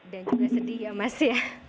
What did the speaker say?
dan juga sedih ya mas ya